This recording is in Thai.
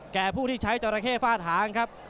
แก่ผู้ที่ใช้จราเข้ฝ้าทางครับ